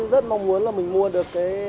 không muốn được nhà nước